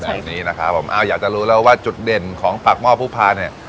แบบนี้นะครับผมอ้าวอยากจะรู้แล้วว่าจุดเด่นของปากหม้อผู้พาเนี่ย